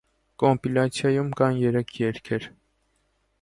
Կոմպիլյացիայում կան երեք երգեր։